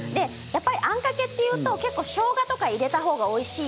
あんかけというとしょうがとか入れるとおいしい